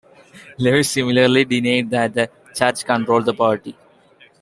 Lewis similarly denied that the church controlled the party.